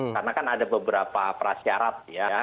karena kan ada beberapa prasyarat ya